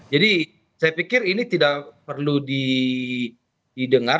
jadi saya pikir ini tidak perlu didengar